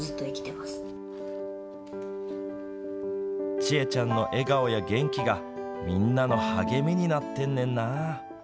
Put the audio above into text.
チエちゃんの笑顔や元気がみんなの励みになってんねんな。